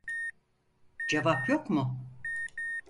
Cevap yok mu